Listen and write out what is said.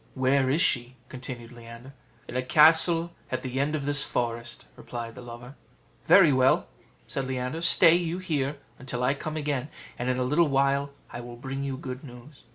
"Where is she?" continued Leander. "In a castle at the end of this forest," replied the lover. "Very well," said Leander; "stay you here till I come again, and in a little while I will bring you good news."